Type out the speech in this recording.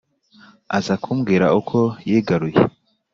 aza kumbwira uko yigaruye